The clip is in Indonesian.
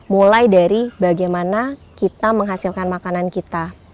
mulai dari bagaimana kita menghasilkan makanan kita